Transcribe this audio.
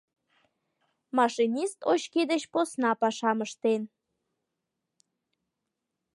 Машинист очки деч посна пашам ыштен.